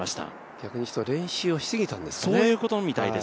逆に練習をしすぎたんですかね。